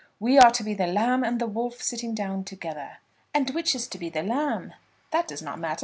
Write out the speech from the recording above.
We are to be the lamb and the wolf sitting down together." "And which is to be the lamb?" "That does not matter.